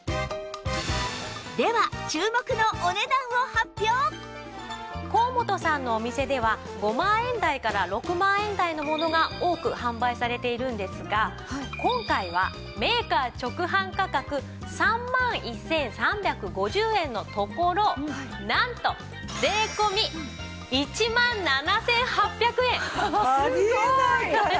では注目の高本さんのお店では５万円代から６万円代のものが多く販売されているんですが今回はメーカー直販価格３万１３５０円のところなんと税込１万７８００円。あり得ないから！